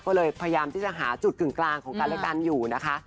พยายามจะหาจุดกึ่งกลางของการเรียกรันอยู่นะคะ